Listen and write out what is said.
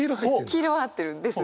黄色は合ってるんです。